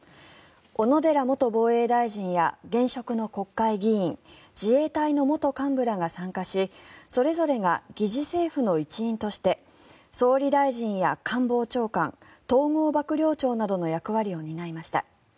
小野寺元防衛大臣や現職の国会議員自衛隊の元幹部らが参加しそれぞれが疑似政府の一員として総理大臣や官房長官統合幕僚長などの役割を担いました。